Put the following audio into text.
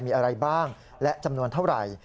มีอะไรบ้างและจำนวนเท่าไหร่